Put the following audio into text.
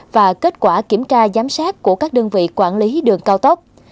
và kết quả kiểm tra giám sát của các đơn vị quản lý đường cao tốc